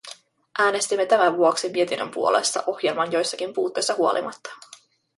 Äänestimme tämän vuoksi mietinnön puolesta ohjelman joistakin puutteista huolimatta.